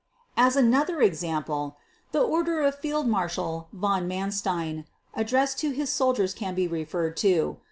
As another, example the order of Fieldmarshal Von Mannstein addressed to his soldiers can be referred to.